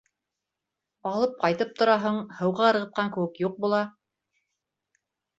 Алып ҡайтып тораһың, һыуға ырғытҡан кеүек юҡ була.